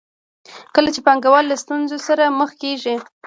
کله چې پانګوال له ستونزو سره مخ کېږي